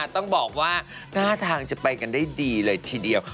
ต้องบอกว่าหน้าทางจะไปกันได้ดีเลยทีเดียว